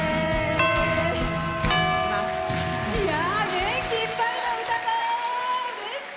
元気いっぱいの歌声でした。